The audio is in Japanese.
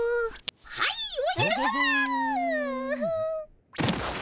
はいおじゃるさま。